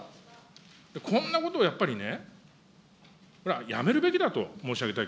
こんなことをやっぱりね、やめるべきだと申し上げたい。